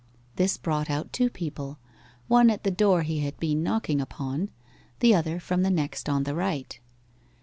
This brought out two people one at the door he had been knocking upon, the other from the next on the right.